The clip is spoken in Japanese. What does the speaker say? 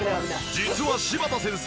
実は柴田先生